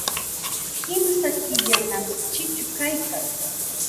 Kimsa killanam chichu kaykan.